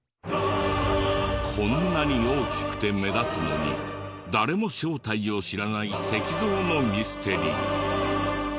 こんなに大きくて目立つのに誰も正体を知らない石像のミステリー。